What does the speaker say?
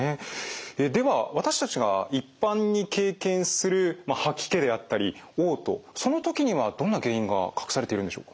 では私たちが一般に経験する吐き気であったりおう吐その時にはどんな原因が隠されているんでしょうか？